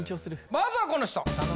まずはこの人。